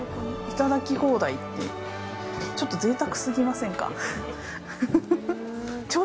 頂き放題って、ちょっとぜいたくすぎませんか？